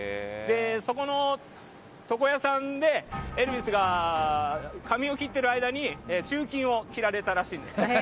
そこの床屋さんでエルヴィスが髪を切ってる間に駐禁を切られたらしいです。